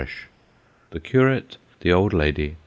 THE CURATE. THE OLD LADY.